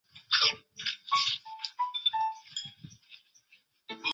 冰淇淋的生产中也要用到乳糖酶。